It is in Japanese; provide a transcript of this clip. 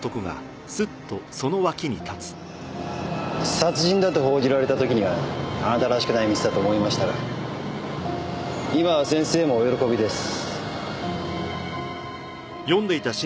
殺人だと報じられた時にはあなたらしくないミスだと思いましたが今は先生もお喜びです。